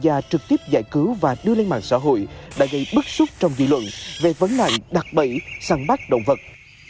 hoàng gia trực tiếp giải cứu và đưa lên mạng xã hội đã gây bức xúc trong dị luận về vấn ngại đặt bẫy săn bắt động vật